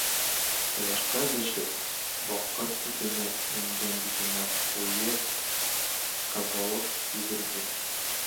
Ҡояшҡа бешеп, баҡыр төҫөнә ингән битенә ҡуйы ҡыҙыллыҡ йүгерҙе.